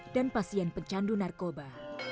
dan pasien pencandu narkoba